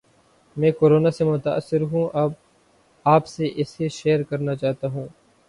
میں کورونا سے متاثر ہوں اپ سے اسے شیئر کرنا چاہتا ہوں